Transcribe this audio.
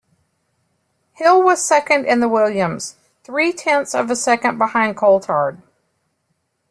Hill was second in the Williams, three-tenths of a second behind Coulthard.